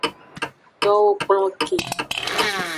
Towo kplon ke.